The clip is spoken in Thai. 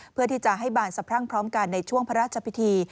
เพื่อที่จะให้บานสะพรั่งพร้อมกันในช่วงพระราชพิธี